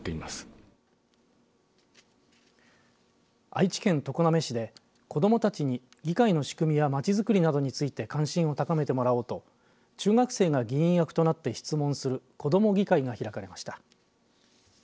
愛知県常滑市で、子どもたちに議会の仕組みや街づくりなどについて関心を高めてもらおうと中学生が議員役となって質問する子ども議会が開かれました。